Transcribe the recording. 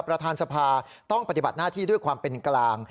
ประธานสภาต้องปฏิบัติหน้าที่ด้วยความเป็นกลาง